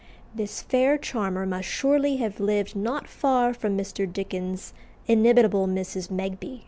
This fair charmer must surely have lived not far from Mr. Dickens's inimitable Mrs. Megby.